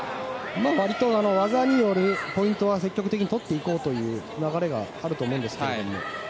わりと技によるポイントは積極的に取っていこうという流れがあると思うんですが。